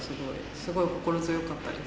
すごい心強かったです。